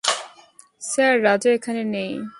Sir, Raja এখানে নেই।